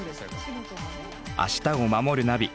「明日をまもるナビ」。